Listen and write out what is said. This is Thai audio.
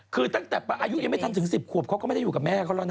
คือตั้งแต่อายุไม่จนถึง๑๐ขวบเขาก็ไม่อยู่กับแม่เขานะคะ